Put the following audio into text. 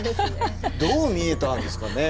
どう見えたんですかね？